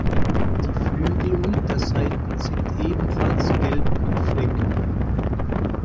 Die Flügelunterseiten sind ebenfalls gelb mit Flecken.